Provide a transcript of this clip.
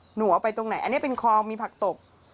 หนูเอาไปตรงไหนอันนี้เป็นคลองมีผักตก